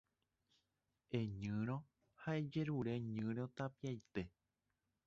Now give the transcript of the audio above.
Eñyrõ ha ejerure ñyrõ tapiaite